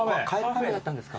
カフェだったんですか。